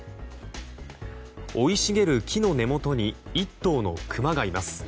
生い茂る木の根元に１頭のクマがいます。